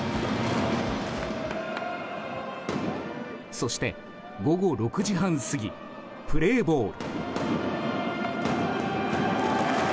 そして午後６時半過ぎプレーボール。